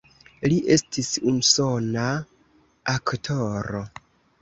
Li estis usona aktoro.